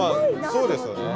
そうですよね。